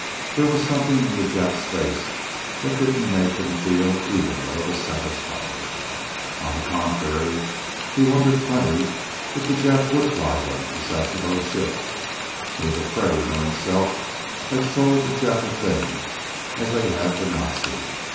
There was something in the Jap's face that didn't make him feel even a little satisfied. On the contrary, he wondered plenty if the Jap would fly them to Sasebo's ship! Neither Freddy nor himself had sold the Jap a thing, as they had the Nazi.